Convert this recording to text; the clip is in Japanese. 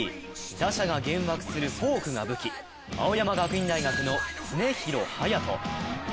打者が幻惑するフォークが武器、青山学院大学の常廣羽也斗。